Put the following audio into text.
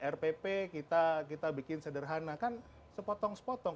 rpp kita bikin sederhana supaya kita sepotong sepotong